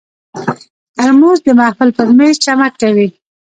ترموز د محفل پر مېز چمک کوي.